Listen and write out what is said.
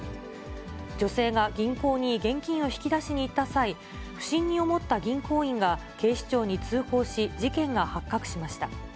女性が銀行に現金を引き出しに行った際、不審に思った銀行員が警視庁に通報し、事件が発覚しました。